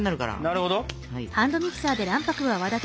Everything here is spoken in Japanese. なるほど。